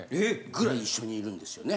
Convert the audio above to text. ぐらい一緒にいるんですよね。